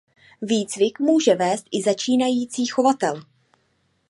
Výcvik může vést i začínající chovatel.